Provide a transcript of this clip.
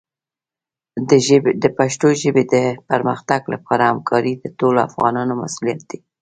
د پښتو ژبې د پرمختګ لپاره همکاري د ټولو افغانانو مسؤلیت دی.